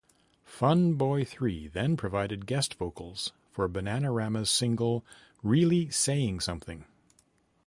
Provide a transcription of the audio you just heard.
Fun Boy Three then provided guest vocals for Bananarama's single, Really Saying Something.